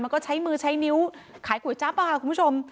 ก็ใช้มือใช้นิ้วขายก๋วยจั๊บค่ะคุณผู้ชม